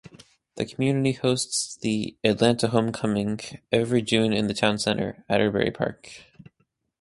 The community hosts the "Atlanta Homecoming" every June in the town center, Atterberry Park.